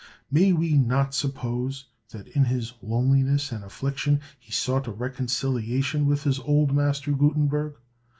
May we not suppose that in his loneliness and affliction, he sought a reconciliation with his old master, Gutenberg?